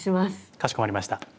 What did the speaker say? かしこまりました。